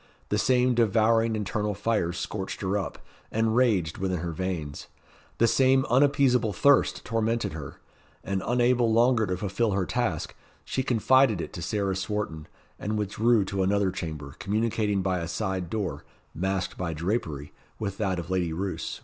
The same devouring internal fire scorched her up, and raged within her veins; the same unappeasable thirst tormented her; and unable longer to fulfil her task, she confided it to Sarah Swarton, and withdrew to another chamber, communicating by a side door, masked by drapery, with that of Lady Roos.